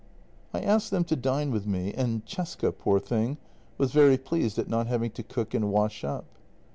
" I asked them to dine with me, and Cesca, poor thing, was very pleased at not having to cook and wash up.